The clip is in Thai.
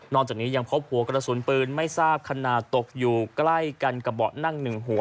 นอกจากนี้ยังพบหัวกระสุนปืนไม่ทราบคณะตกอยู่ใกล้กันกระบอดนั่ง๑หัว